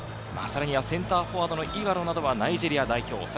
さらにはセンターフォワードのイガロなどはナイジェリア代表。